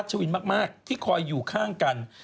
อ๋อจริงน่ะโรแมนติกมากเลย